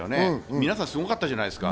皆さん、すごかったじゃないですか。